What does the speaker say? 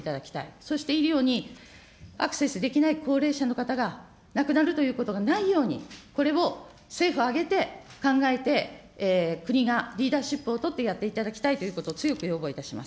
そして医療にアクセスできない高齢者の方が亡くなるということがないように、これを政府挙げて考えて、国がリーダーシップをとってやっていただきたいということを、強く要望いたします。